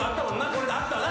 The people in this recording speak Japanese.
これで合ったな。